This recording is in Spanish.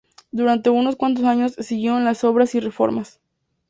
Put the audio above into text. Durante unos cuantos años siguieron las obras y reformas.